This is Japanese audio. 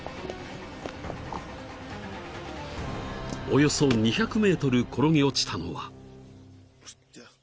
［およそ２００ｍ転げ落ちたのは］